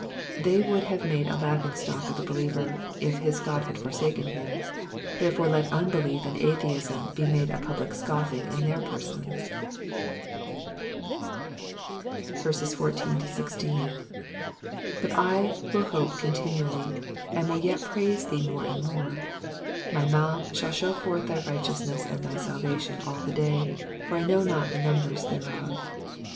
They would have made a laughing stock of the believer, if his God had for saken him ; therefore, let unbelief and atheism be made a public scoffing in their persons. Digitized by VjOOQIC 298 Bxpoemoss o? the ps^lmb. 14 But I will hope continually, and will yet praise thee more and more. 15 My mouth shall shew forth thy lighteousness and thy salvation all the day ; for I know not the numbers thereof.